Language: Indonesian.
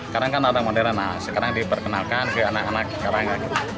kadang kan ada moderna sekarang diperkenalkan ke anak anak sekarang